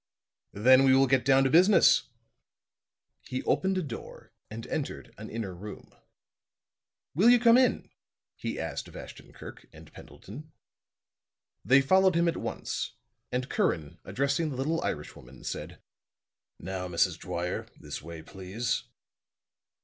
"Then we will get down to business." He opened a door and entered an inner room. "Will you come in?" he asked of Ashton Kirk and Pendleton. They followed him at once; and Curran, addressing the little Irishwoman, said: "Now, Mrs. Dwyer, this way, please."